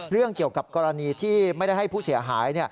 เรื่องเกี่ยวกับกรณีที่ไม่ได้ให้ผู้เสียหาย